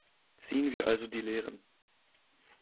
Ziehen wir also die Lehren.